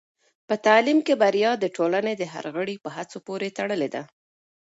په تعلیم کې بریا د ټولنې د هر غړي په هڅو پورې تړلې ده.